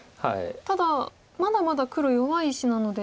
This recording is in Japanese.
ただまだまだ黒弱い石なので。